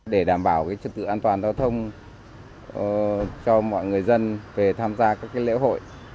để đảm bảo trật tự an toàn giao thông cho mọi người dân về tham gia các lễ hội